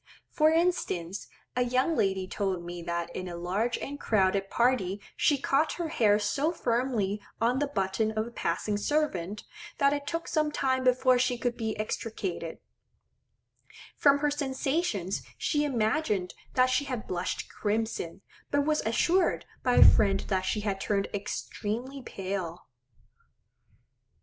For instance, a young lady told me that in a large and crowded party she caught her hair so firmly on the button of a passing servant, that it took some time before she could be extricated; from her sensations she imagined that she had blushed crimson; but was assured by a friend that she had turned extremely pale.